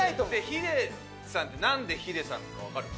ヒデさんってなんでヒデさんかわかる？